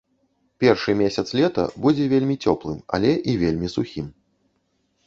Першы месяц лета будзе вельмі цёплым, але і вельмі сухім.